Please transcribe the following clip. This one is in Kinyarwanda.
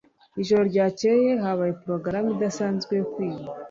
Ijoro ryakeye habaye progaramu idasanzwe yo kwiba